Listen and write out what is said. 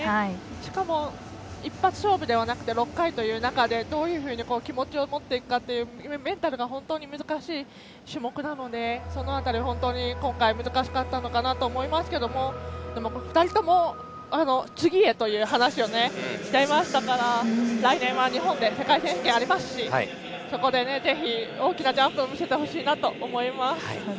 しかも、一発勝負ではなくて６回という中でどういうふうに気持ちを持っていくかメンタルが本当に難しい種目なのでその辺り、本当に今回難しかったのかなと思いますけどでも２人とも次へという話をしていましたから来年は日本で世界選手権がありますしそこでぜひ、大きなジャンプを見せてほしいなと思います。